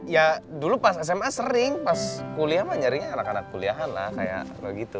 ya dulu pas sma sering pas kuliah mah nyaringnya anak anak kuliahan lah kayak begitu